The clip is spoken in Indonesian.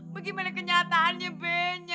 bagaimana kenyataannya benya